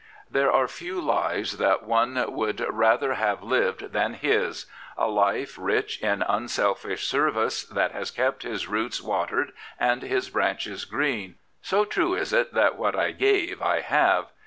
There are few lives that one would rather have lived than this — ^a life rich in unselfish service that has kept his roots watered and his branches green, so true is it that what I gave I have.'